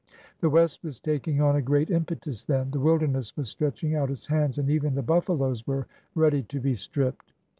The West was taking on a great impetus then— the wilderness was stretching out its hands, and even the buffaloes were ready to be stripped.